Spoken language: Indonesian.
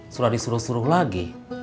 sudah disuruh suruh lagi